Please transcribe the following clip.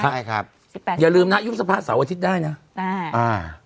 ใช่ครับสิบแปดอย่าลืมนะยุบสภาเสาร์อาทิตย์ได้นะได้อ่า